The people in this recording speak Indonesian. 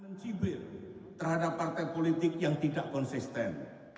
mencibir terhadap partai politik yang tidak konsisten